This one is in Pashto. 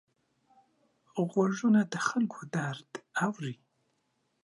غوږونه د خلکو درد اوري